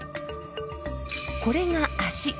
これが足。